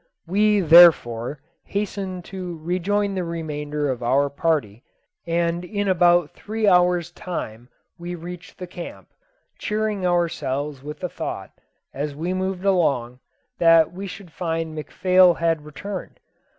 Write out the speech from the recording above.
We, therefore, hastened to rejoin the remainder of our party, and in about three hours time we reached the camp, cheering ourselves with the thought, as we moved along, that we should find McPhail had returned.